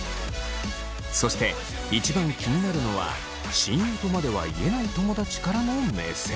そして一番気になるのは親友とまでは言えない友達からの目線。